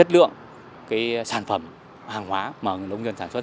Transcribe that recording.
với sản phẩm hàng hóa mà đồng dân sản xuất ra